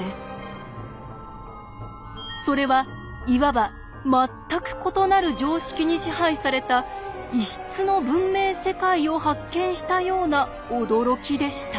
それはいわば全く異なる常識に支配された異質の文明世界を発見したような驚きでした。